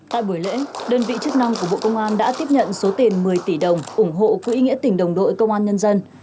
tại buổi lễ đơn vị chức năng của bộ công an đã tiếp nhận số tiền một mươi tỷ đồng ủng hộ quỹ nghĩa tình đồng đội công an nhân dân